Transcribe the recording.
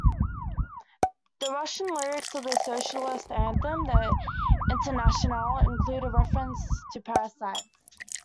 The Russian lyrics of the socialist anthem "The Internationale" include a reference to parasites.